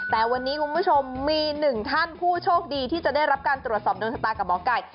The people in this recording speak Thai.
แต่วันนี้คุณผู้ชมมีหนึ่งท่านผู้โชคดีที่จะได้รับการตรวจสอบโดนชะตากับหมอไก่